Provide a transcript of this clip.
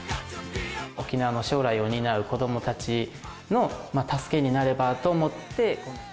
沖縄の将来を担う子どもたちの助けになればと思って。